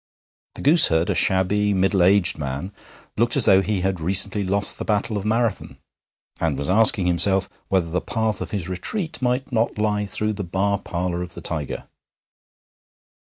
The gooseherd, a shabby middle aged man, looked as though he had recently lost the Battle of Marathon, and was asking himself whether the path of his retreat might not lie through the bar parlour of the Tiger.